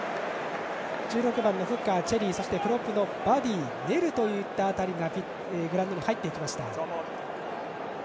１６番のフッカー、チェリーそしてプロップのバティ、ネルといった辺りがグラウンドに入っていきました。